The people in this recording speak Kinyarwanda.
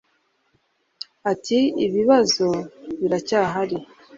Ati “Ibibazo biracyahari